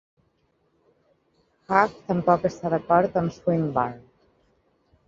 Haack tampoc està d'acord amb Swinburne.